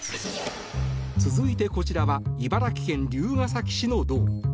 続いてこちらは茨城県龍ケ崎市の道路。